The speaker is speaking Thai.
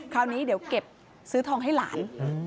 คราวนี้เดี๋ยวเก็บซื้อทองให้หลาน